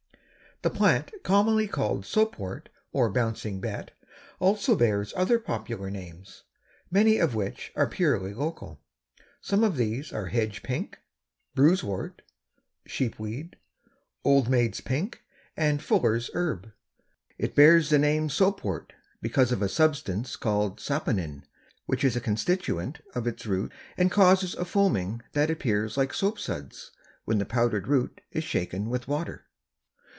_) The plant commonly called Soapwort or Bouncing Bet also bears other popular names, many of which are purely local. Some of these are Hedge Pink, Bruisewort, Sheepweed, Old Maid's Pink and Fuller's Herb. It bears the name Soapwort because of a substance called saponin which is a constituent of its roots and causes a foaming that appears like soap suds when the powdered root is shaken with water.